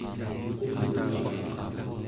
qulvaq